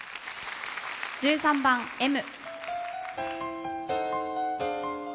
１３番「Ｍ」。